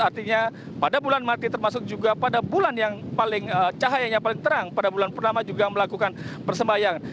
artinya pada bulan mati termasuk juga pada bulan yang paling cahayanya paling terang pada bulan purnama juga melakukan persembahyangan